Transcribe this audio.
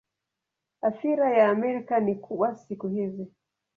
Athira ya Amerika ni kubwa siku hizi.